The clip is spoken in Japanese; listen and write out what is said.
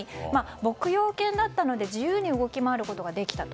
牧羊犬だったので自由に動き回ることができたと。